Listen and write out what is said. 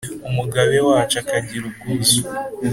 umugabe wacu akagira ubwuzu